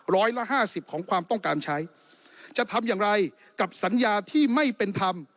ร้อยละห้าสิบของความต้องการใช้จะทำอย่างไรกับสัญญาที่ไม่เป็นธรรม